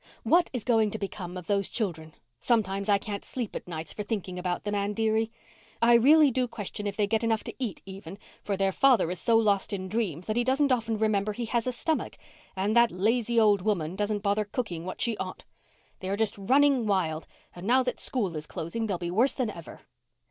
What is going to become of those children? Sometimes I can't sleep at nights for thinking about them, Anne dearie. I really do question if they get enough to eat, even, for their father is so lost in dreams that he doesn't often remember he has a stomach, and that lazy old woman doesn't bother cooking what she ought. They are just running wild and now that school is closing they'll be worse than ever."